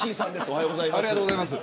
おはようございます。